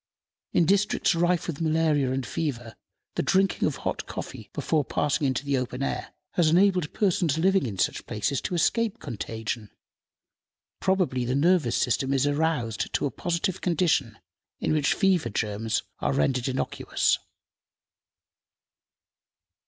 In districts rife with malaria and fever, the drinking of hot coffee before passing into the open air has enabled persons living in such places to escape contagion. Probably the nervous system is aroused to a positive condition, in which fever germs are rendered innocuous.